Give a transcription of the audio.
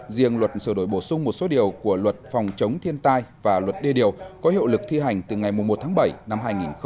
riêng luật sửa đổi bổ sung một số điều của luật phòng chống thiên tai và luật đê điều có hiệu lực thi hành từ ngày một tháng bảy năm hai nghìn hai mươi